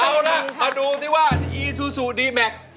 เอาล่ะมาดูที่ว่าอีซูซูดีแม็กซ์